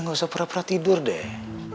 udah gak usah pera pera tidur deh